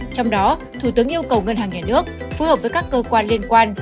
trong đó thủ tướng yêu cầu ngân hàng nhà nước phù hợp với các cơ quan liên quan